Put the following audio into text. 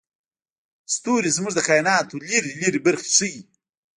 ستوري زموږ د کایناتو لرې لرې برخې ښيي.